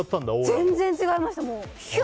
全然、違いました。